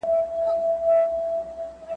ما ځکه ویلي دي چي منظور پښتین ,